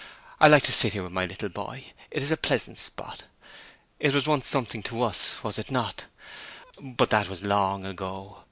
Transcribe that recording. . I like to sit here with my little boy it is a pleasant spot. It was once something to us, was it not? but that was long ago.